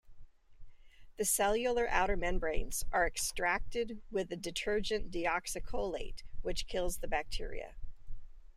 The cellular outer membranes are extracted with the detergent deoxycholate, which kills the bacteria.